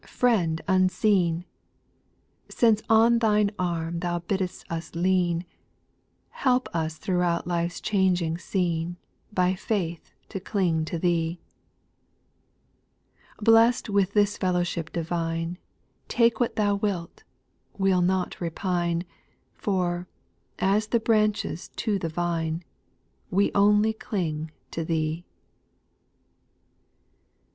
Friend unseen I Since on Thine arm Thou bid'st us lean, Help us throughout life's changing scene By faith to cling to Thee I 2. Bless'd with this fellowship divine. Take what Thou wilt, we'll not repine : For, as the branches to the vine. We only cling to Thee